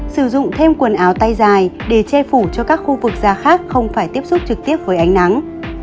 sử dụng thêm quần áo tay dài để che phủ cho các khu vực da khác không phải tiếp xúc trực tiếp với ánh nắng